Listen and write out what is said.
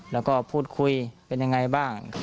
แล้วก็พูดคุยเป็นยังไงบ้าง